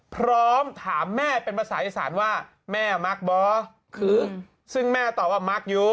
พร้อมถามแม่เป็นภาษาอีสานว่าแม่มักบอคือซึ่งแม่ตอบว่ามักอยู่